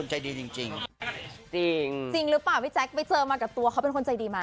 จริงหรือเปล่าหละพี่แจ็คไปเจอมาก่ะเขาเค้าเป็นคนใจดีมะ